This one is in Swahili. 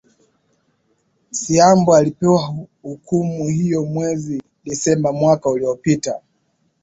siambo alipewa hukumu hiyo mwezi disemba mwaka uliopita